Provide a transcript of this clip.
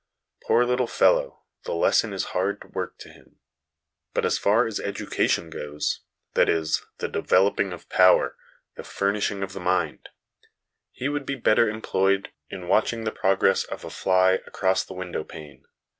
Poor little fellow ! the lesson is hard work to him ; but as far as educa tion goes that is, the developing of power, the furnishing of the mind he would be better employed in watching the progress of a fly across the window pane.